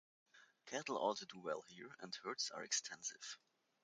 Cattle also do well here and herds are extensive.